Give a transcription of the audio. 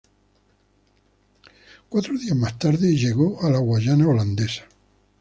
Cuatro días más tarde llegó a la Guayana Holandesa.